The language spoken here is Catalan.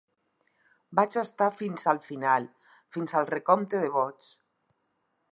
Vaig estar fins al final, fins al recompte de vots.